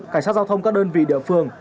cảnh sát giao thông các đơn vị địa phương